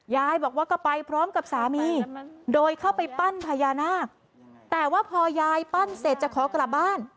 ยายบอกว่าก็ไปพร้อมกับสามีโดยเข้าไปปั้นพญานาคแต่ว่าพอยายปั้นเสร็จจะขอกลับบ้าน